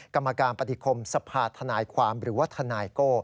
กรรมการปฏิคมสภาธนายความหรือว่าทนายโก้